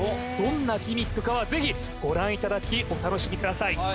どんなギミックかはぜひご覧いただきお楽しみください